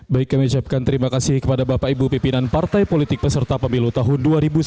baiknya menyebabkan terima kasih kepada bapak ibu pimpinan partai politik peserta pemilu tahun